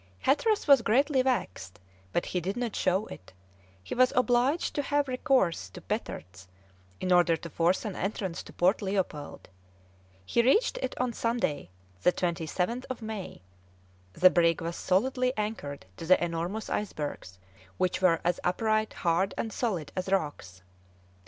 Hatteras was greatly vexed, but he did not show it; he was obliged to have recourse to petards in order to force an entrance to Port Leopold; he reached it on Sunday, the 27th of May; the brig was solidly anchored to the enormous icebergs, which were as upright, hard, and solid as rocks.